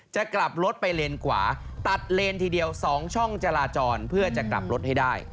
จะกลับรถไปเลนขวาตัดเลนทีเดียว๒ช่องจราจรเพื่อจะกลับรถให้ได้